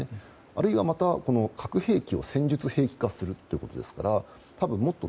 あるいはまた核兵器を戦術兵器化するということですからもっと、